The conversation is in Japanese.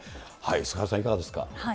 菅原さん、いかがですか。